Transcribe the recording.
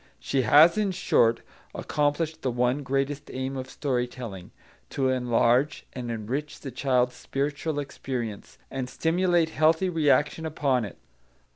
She has, in short, accomplished the one greatest aim of story telling, to enlarge and enrich the child's spiritual experience, and stimulate healthy reaction upon it.